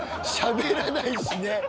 しゃべらないしね。